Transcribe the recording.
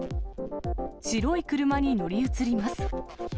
白い車に乗り移ります。